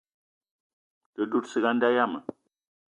Te dout ciga a nda yiam.